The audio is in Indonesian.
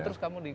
terus kamu di